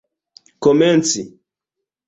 komenci